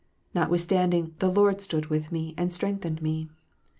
Notwithstanding the Lord stood with me and strengthened me."